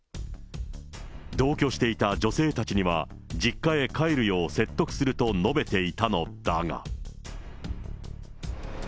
同居していた女性たちには、実家へ帰るよう説得すると述べていたのだが。